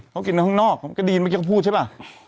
เขากินข้างนอกก็ดีเมื่อกี้เขาพูดใช่ป่ะ